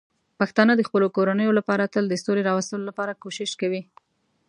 پښتانه د خپلو کورنیو لپاره تل د سولې راوستلو لپاره کوښښ کوي.